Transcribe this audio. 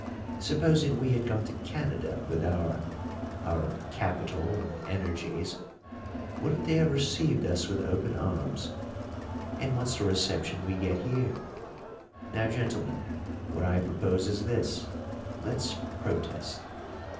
Supposing we had gone to Canada with our our capital and energies, wouldn't they have received us with open arms? And what's the reception we get here? Now, gentlemen, what I propose is this: let's protest.